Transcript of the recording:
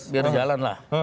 biar jalan lah